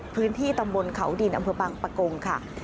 พื้นที่ตำบลเขาดินอำเภอบางปะโกงค่ะ